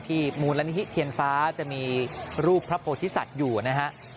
มูลนิธิเทียนฟ้าจะมีรูปพระโพธิสัตว์อยู่นะฮะ